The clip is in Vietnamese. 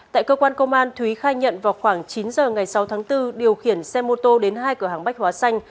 tại cơ quan công an thúy khai nhận vào khoảng chín giờ ngày sáu tháng bốn điều khiển xe mô tô đến hai cửa hàng bách hóa xanh